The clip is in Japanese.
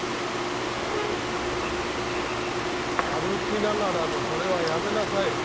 歩きながらのそれはやめなさい！